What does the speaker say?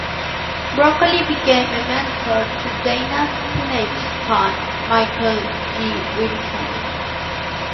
Broccoli became a mentor to Dana's teenage son, Michael G. Wilson.